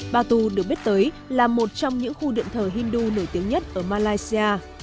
batu được biết tới là một trong những khu điện thờ hindu nổi tiếng nhất ở malaysia